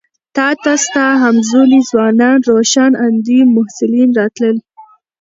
تا ته ستا همزولي ځوانان روښان اندي محصلین راتلل.